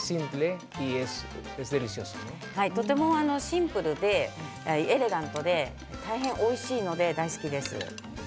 とてもシンプルでエレガントで大変おいしいので大好きです。